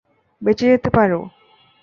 বেঁচে যেতে পারো!